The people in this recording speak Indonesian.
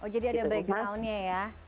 jadi ada breakdownnya ya